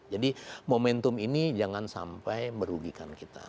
jadi momentum ini jangan sampai merugikan kita